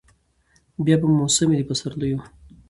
بیا به موسم وي د پسرلیو